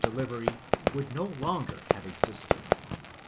delivery would no longer have existed.